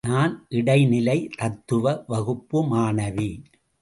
நான் இடைநிலை தத்துவ வகுப்பு மாணவி.